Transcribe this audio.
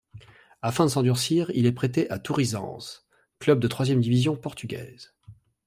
Afin de s’endurcir, il est prêté à Tourizense, club de troisième division portugaise.